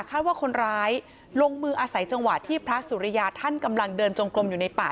คาดว่าคนร้ายลงมืออาศัยจังหวะที่พระสุริยาท่านกำลังเดินจงกลมอยู่ในป่า